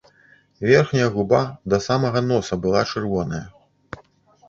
Верхняя губа да самага носа была чырвоная.